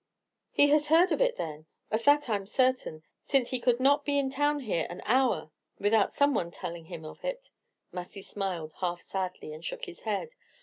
"He has heard of it then, of that I'm certain; since he could not be in town here an hour without some one telling him of it." Massy smiled half sadly, and shook his head.